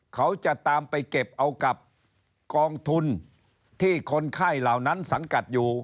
เขาจะตามไปเก็บเอากับกองทุนที่คนไข้เหล่านั้นสังกัดอยู่